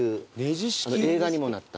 映画にもなった。